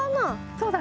そうだね。